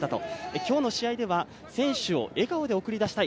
今日の試合では選手を笑顔で送り出したい。